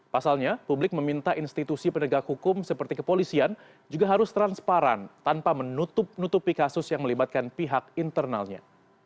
pasalnya publik meminta institusi penegak hukum seperti kepolisian juga harus transparan tanpa menutup nutupi kasus yang melibatkan pihak internalnya